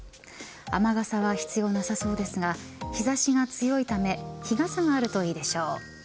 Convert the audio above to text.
雨傘は必要なさそうですが日差しが強いため日傘があるといいでしょう。